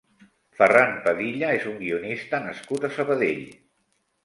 Ferran Padilla és un guionista nascut a Sabadell.